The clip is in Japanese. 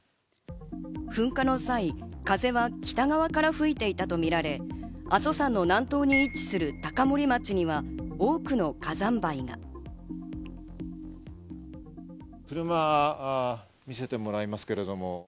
噴火の際、風は北側から吹いていたとみられ、阿蘇山の南東に位置する高森町には車を見せてもらいますけど。